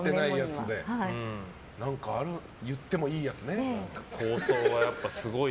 言ってもいいやつね。